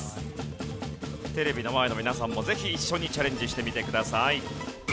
テレビの前の皆さんもぜひ一緒にチャレンジしてみてください。